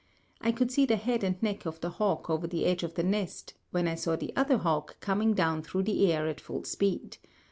I could see the head and neck of the hawk over the edge of the nest, when I saw the other hawk coming down through the air at full speed.